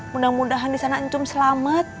mudah mudahan disana encung selamat